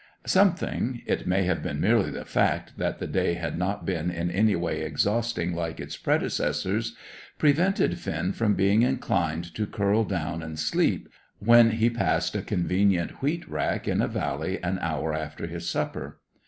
Something it may have been merely the fact that the day had not been in any way exhausting like its predecessors prevented Finn from being inclined to curl down and sleep, when he passed a convenient wheat rick in a valley an hour after his supper.